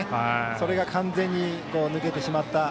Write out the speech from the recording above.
それが完全に抜けてしまった。